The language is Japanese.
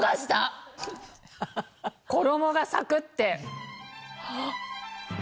衣がサクって！